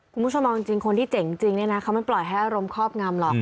คุณผู้ชมเอาจริงคนที่เจ๋งจริงเนี่ยนะเขาไม่ปล่อยให้อารมณ์ครอบงำหรอก